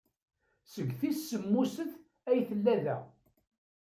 Seg tis semmuset ay tella da.